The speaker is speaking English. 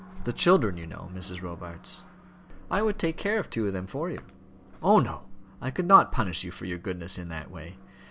The children, you know, Mrs. Robarts." "I would take care of two of them for you." "Oh, no; I could not punish you for your goodness in that way.